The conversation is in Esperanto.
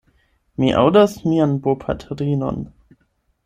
Mi aŭdas mian bopatrinon.